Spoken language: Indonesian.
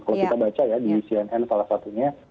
kalau kita baca ya di cnn salah satunya